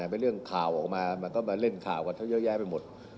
เป็นเรื่องข่าวออกมามันก็มาเล่นข่าวกับเขาเยอะแยะไปหมด